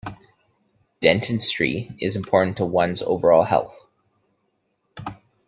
Dentistry is important to one's overall health.